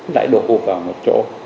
lại đổ hụt vào một chỗ